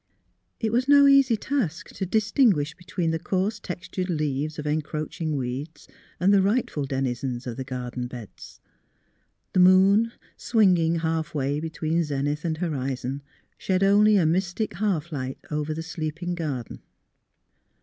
It was no easy task to distinguish between the coarse textured leaves of encroaching weeds and the rightful denizens of the garden beds. The moon, swinging halfway between zenith and hori zon, shed only a mystic half light over the sleeping garden.